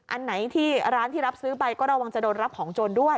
อันไหนที่ร้านที่รับซื้อไปก็ระวังจะโดนรับของโจรด้วย